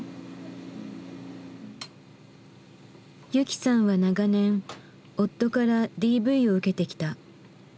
雪さんは長年夫からＤＶを受けてきた。